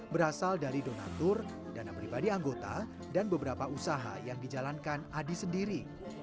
berasal dari donatur dana pribadi anggota dan beberapa usaha yang dijalankan adi sendiri